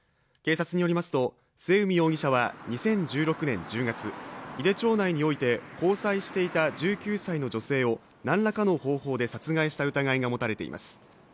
警察によりますと末海容疑者は２０１６年１０月井手町内において交際していた１９歳の女性をなんらかの方法で殺害した疑いが持たれています